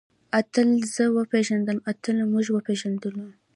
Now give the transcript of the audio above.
اتل زه وپېژندلم. اتل موږ وپېژندلو.